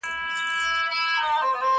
نوي هم ښه دي خو زه وامقاسم یاره